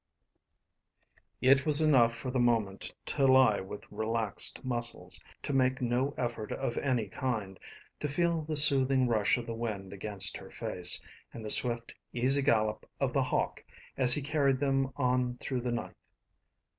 It was enough for the moment to lie with relaxed muscles, to have to make no effort of any kind, to feel the soothing rush of the wind against her face, and the swift, easy gallop of The Hawk as he carried them on through the night.